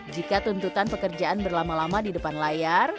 jika tuntutan pekerjaan berlama lama di depan layar